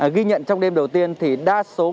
ghi nhận trong đêm đầu tiên thì đa số người dân sẽ bị bệnh